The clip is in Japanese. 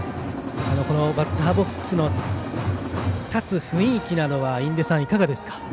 このバッターボックスに立つ雰囲気などは印出さん、いかがですか。